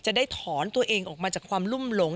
จะได้ถอนตัวเองออกมาจากความรุ่มหลง